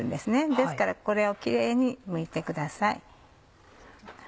ですからこれをキレイにむいてください。